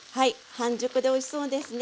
半熟でおいしそうですね。